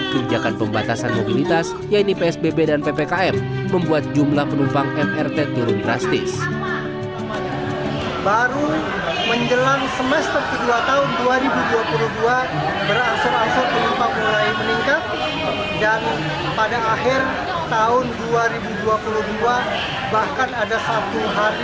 kerjakan pembatasan mobilitas yaitu psbb dan ppkm membuat jumlah penumpang mrt jatuh ke titik terendah